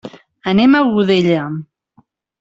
Anem a Godella.